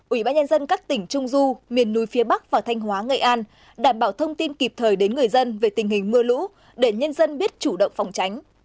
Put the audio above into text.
ủy ban nhân dân các tỉnh trung du miền núi phía bắc và thanh hóa nghệ an đảm bảo thông tin kịp thời đến người dân về tình hình mưa lũ để nhân dân biết chủ động phòng tránh